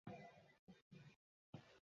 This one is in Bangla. মানে, প্রকৃতি!